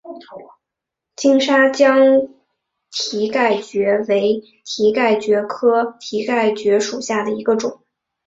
金沙江蹄盖蕨为蹄盖蕨科蹄盖蕨属下的一个种。